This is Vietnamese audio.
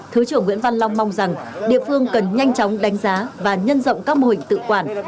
thứ trưởng nguyễn văn long mong rằng địa phương cần nhanh chóng đánh giá và nhân rộng các mô hình tự quản